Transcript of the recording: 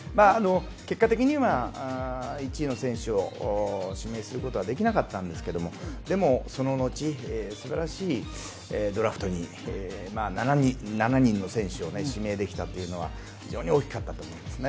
結果的には１位の選手を指名することはできなかったんですけどでも、その後、すばらしいドラフトに、７人の選手を指名できたというのは非常に大きかったと思いますね。